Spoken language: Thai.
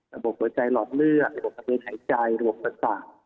ระบบหัวใจหลอดเลือดระบบทะเบียนหายใจระบบประสาท